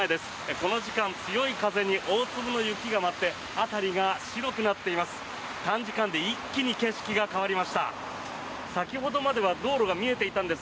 この時間強い風に大粒の雪が舞って辺りが白くなっています。